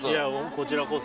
こちらこそ。